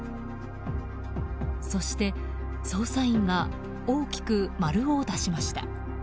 そして、捜査員が大きく丸を出しました。